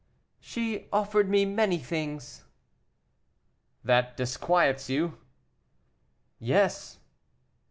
"She offered me many things." "That disquiets you?" "Yes."